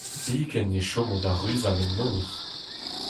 Biken ne chomo da ruzal en noz.